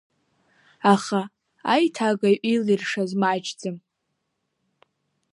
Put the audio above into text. Аха аиҭагаҩ илиршаз маҷӡам.